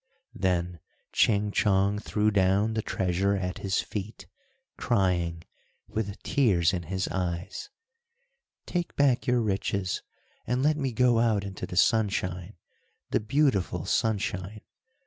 Then Ching Chong threw down the treasure at his feet, crying, with tears in his eyes, "Take back your riches, and let me go out into the sunshine! the beautiful sunshine!